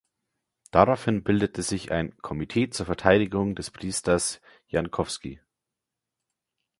Daraufhin bildete sich ein "Komitee zur Verteidigung des Priesters Jankowski".